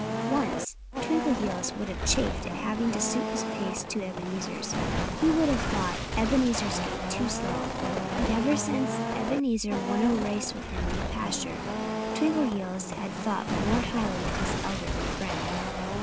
Once Twinkleheels would have chafed at having to suit his pace to Ebenezer's. He would have thought Ebenezer's gait too slow. But ever since Ebenezer won a race with him in the pasture Twinkleheels had thought more highly of his elderly friend.